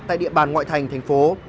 tại địa bàn ngoại thành thành phố